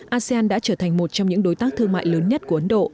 asean đã trở thành một trong những đối tác thương mại lớn nhất của ấn độ